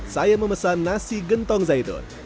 saya memesan nasi gentong zaitun